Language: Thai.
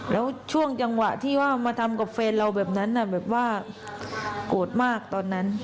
แล้วช่วงจังหวะที่ว่ามาทำกับแฟนเราแบบนั้นแบบว่าโกรธมากตอนนั้น